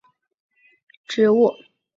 思茅山橙是夹竹桃科山橙属的植物。